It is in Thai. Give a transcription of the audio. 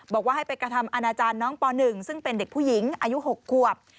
บอกว่าให้ไปกระทำอาณาจารย์น้องป๑ซึ่งเป็นเด็กผู้หญิงอายุ๖ขวบ